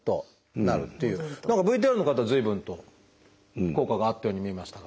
何かＶＴＲの方随分と効果があったように見えましたが。